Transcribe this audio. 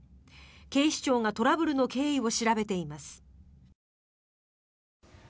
警視庁がトラブルの経緯を調べています。